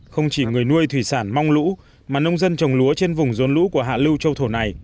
không chỉ người nuôi thủy sản mong lũ mà nông dân trồng lúa trên vùng dồn lũ của hạ lưu châu thổ này